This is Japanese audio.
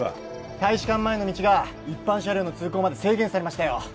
大使館前の道が一般車両の通行まで制限されましたよ